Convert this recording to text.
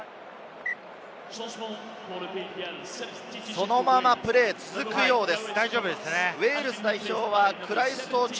そのままプレーが続くようです。